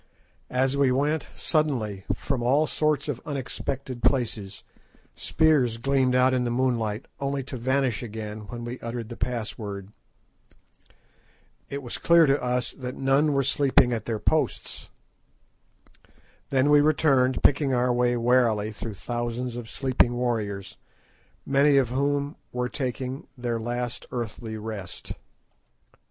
As we went, suddenly, from all sorts of unexpected places, spears gleamed out in the moonlight, only to vanish again when we uttered the password. It was clear to us that none were sleeping at their posts. Then we returned, picking our way warily through thousands of sleeping warriors, many of whom were taking their last earthly rest.